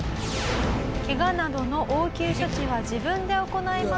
けがなどの応急処置は自分で行います。